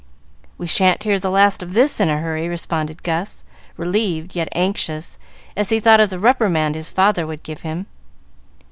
"We sha'n't hear the last of this in a hurry," responded Gus, relieved, yet anxious, as he thought of the reprimand his father would give him.